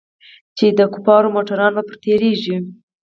چې د کفارو موټران پر تېرېږي.